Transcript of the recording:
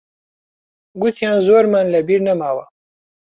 گوتیان زۆرمان لەبیر نەماوە.